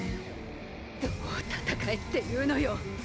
どう戦えっていうのよ。